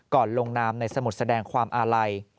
ลงนามในสมุดแสดงความอาลัย